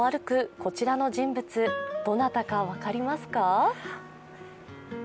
こちらの人物、どなたか分かりますか？